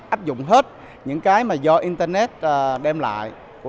áp dụng hết những cái mà do internet đem lại của